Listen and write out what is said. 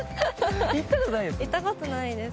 行ったことないです？